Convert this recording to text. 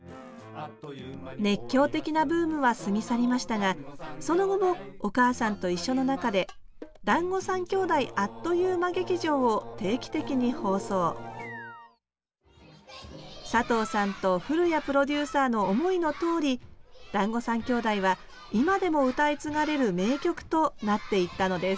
熱狂的なブームは過ぎ去りましたがその後も「おかあさんといっしょ」の中で「だんご３兄弟あっという間劇場」を定期的に放送佐藤さんと古屋プロデューサーの思いのとおり「だんご３兄弟」は今でも歌い継がれる名曲となっていったのです